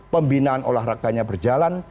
pembinaan olahraganya berjalan